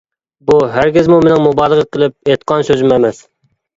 بۇ ھەرگىزمۇ مېنىڭ مۇبالىغە قىلىپ ئېيتقان سۆزۈم ئەمەس.